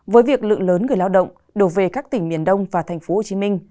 với việc lượng lớn người lao động đổ về các tỉnh miền đông và tp hcm